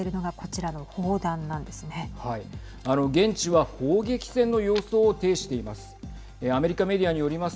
あの、現地は砲撃戦の様相を呈してます。